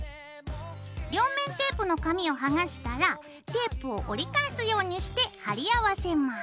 両面テープの紙を剥がしたらテープを折り返すようにして貼り合わせます。